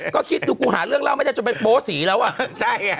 ก็คิดดูกูหาเรื่องแล้วไม่ได้จนไปโปะสีแล้วอ่ะ